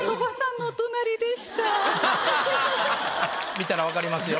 見たら分かりますよ。